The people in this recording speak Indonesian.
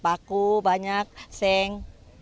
aku banyak seng